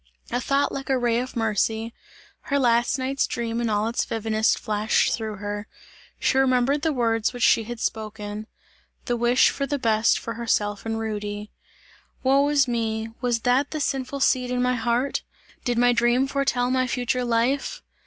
A thought like a ray of mercy, her last night's dream in all its vividness flashed through her; she remembered the words which she had spoken: "the wish for the best for herself and Rudy." "Woe is me! Was that the sinful seed in my heart? Did my dream foretell my future life?